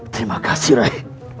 terima kasih rayi